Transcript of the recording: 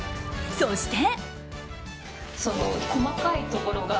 そして。